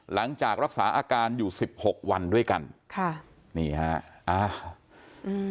หลังจากรักษาอาการอยู่สิบหกวันด้วยกันค่ะนี่ฮะอ้าวอืม